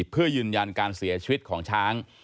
เพื่อยืนยันการเสียชีวิตของช้าง